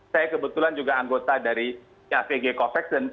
saya kebetulan juga anggota dari avg covax